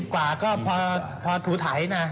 ๒๐กว่าก็พอถูถัยนะ